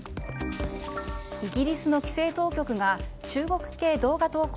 イギリスの規制当局が中国系動画投稿